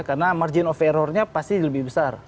karena margin of error nya pasti lebih besar